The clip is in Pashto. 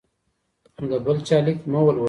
د بل چا لیک مه ولولئ.